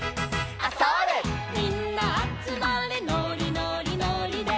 「みんなあつまれのりのりのりで」